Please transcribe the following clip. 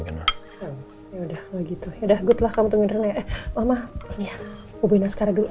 ya udah gitu ya udah gue telah kamu tunggu tunggu mama mama